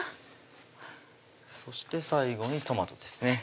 そして最後にトマトですね